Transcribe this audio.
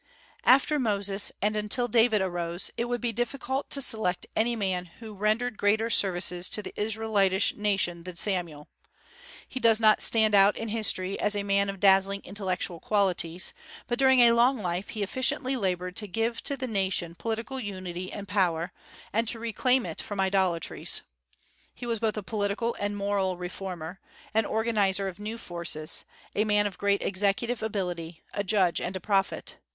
After Moses, and until David arose, it would be difficult to select any man who rendered greater services to the Israelitish nation than Samuel. He does not stand out in history as a man of dazzling intellectual qualities; but during a long life he efficiently labored to give to the nation political unity and power, and to reclaim it from idolatries. He was both a political and moral reformer, an organizer of new forces, a man of great executive ability, a judge and a prophet.